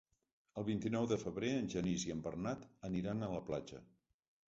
El vint-i-nou de febrer en Genís i en Bernat aniran a la platja.